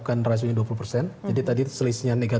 sepuluh sepuluh katanya sepuluh dolar gitu ya